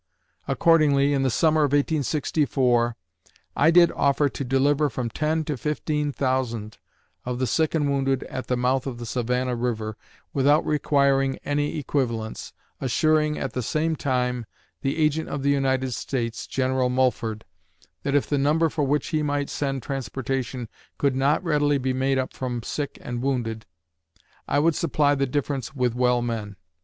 Accordingly, in the summer of 1864, I did offer to deliver from ten to fifteen thousand of the sick and wounded at the mouth of the Savannah River, without requiring any equivalents, assuring, at the same time, the Agent of the United States, General Mulford, that if the number for which he might send transportation could not readily be made up from sick and wounded, I would supply the difference with well men.